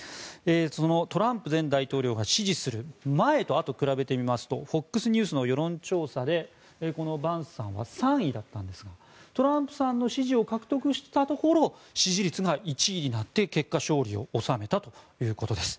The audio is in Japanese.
そのトランプ前大統領が支持する前と後、比べてみますとＦＯＸニュースの世論調査でこのバンスさんは３位だったんですがトランプさんの支持を獲得したところ支持率が１位になって結果勝利を収めたということです。